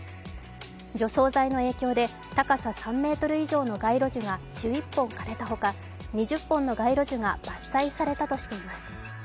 除草剤の影響で、高さ３ｍ以上の街路樹が１１本枯れたほか、２０本の街路樹が伐採されたとしています。